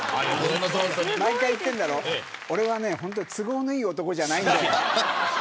毎回言ってるだろ、俺は本当に都合のいい男じゃないんだよ。